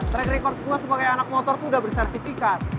track record gue sebagai anak motor tuh udah bersertifikat